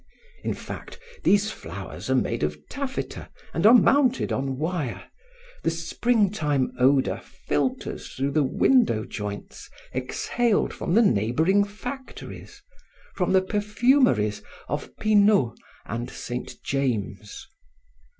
"In fact, these flowers are made of taffeta and are mounted on wire. The springtime odor filters through the window joints, exhaled from the neighboring factories, from the perfumeries of Pinaud and Saint James.